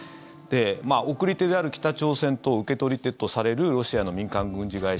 送り手である北朝鮮と受け取り手とされるロシアの民間軍事会社